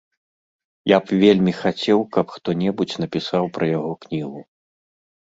Я б вельмі хацеў, каб хто-небудзь напісаў пра яго кнігу.